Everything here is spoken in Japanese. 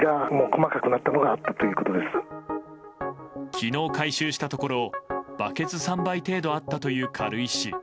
昨日、回収したところバケツ３杯程度あったという軽石。